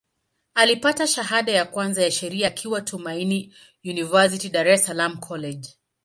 Alipata shahada ya kwanza ya Sheria akiwa Tumaini University, Dar es Salaam College.